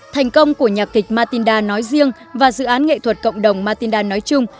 thành công của nhạc kịch matinda nói riêng và dự án nghệ thuật cộng đồng matinda nói chung